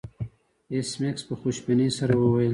ایس میکس په خوشبینۍ سره وویل